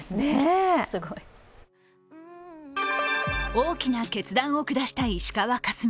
大きな決断を下した石川佳純。